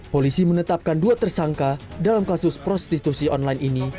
polisi menetapkan dua tersangka dalam kasus prostitusi online ini